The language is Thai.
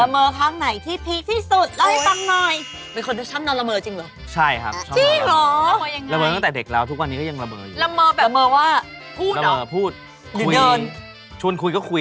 มาลองด้างรั้นราดเตนต์เลย